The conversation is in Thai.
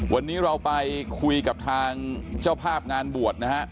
วันนี้เราไปคุยกับทางเจ้าภาพงานบวชนะฮะ